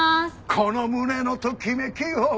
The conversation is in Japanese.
「この胸のときめきを」